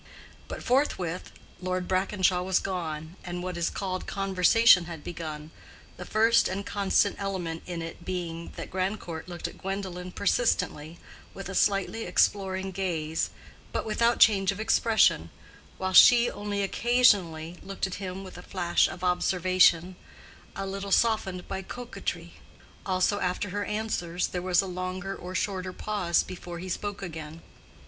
But forthwith Lord Brackenshaw was gone, and what is called conversation had begun, the first and constant element in it being that Grandcourt looked at Gwendolen persistently with a slightly exploring gaze, but without change of expression, while she only occasionally looked at him with a flash of observation a little softened by coquetry. Also, after her answers there was a longer or shorter pause before he spoke again.